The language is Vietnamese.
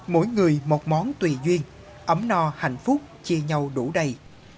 mỗi người một món tùy duyên ấm no hạnh phúc chia nhau đủ đầy